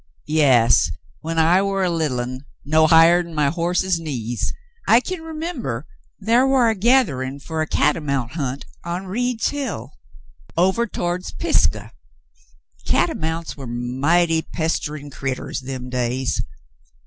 "Yas, when I war a littlin', no highah'n my horse's knees, I kin remember thar war a gatherin' fer a catamount hunt on Reed's Hill ovah to'ds Pisgah. Catamounts war mighty pesterin' creeters them days.